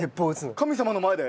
神様の前で？